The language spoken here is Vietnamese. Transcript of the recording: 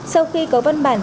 sau khi có văn bản